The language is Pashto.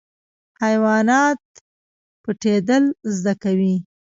حیوانات پټیدل زده کوي